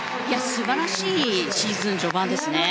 素晴らしいシーズン序盤ですね。